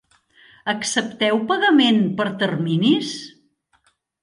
Accepteu pagament per terminis?